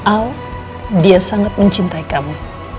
al dia sangat mencintai kamu